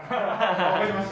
わかりましたか？